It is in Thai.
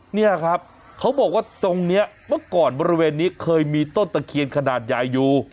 เนี่ยครับเขาบอกว่าตรงนี้เมื่อก่อนบริเวณนี้เคยมีต้นตะเคียนขนาดใหญ่อยู่